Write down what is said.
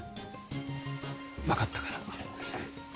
分かったから。